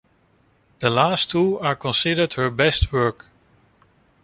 The last two are considered her best work.